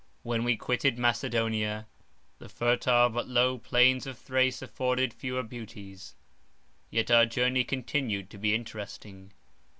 When we quitted Macedonia, the fertile but low plains of Thrace afforded fewer beauties; yet our journey continued to be interesting.